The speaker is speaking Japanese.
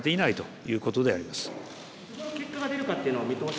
いつごろ結果が出るかというのは見通しは。